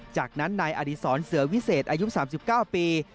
จากนั้นนายอดีศรเสือวิเศษอายุ๓๙ปี